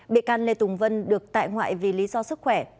bị can lê tùng vân được tại ngoại vì lý do sức khỏe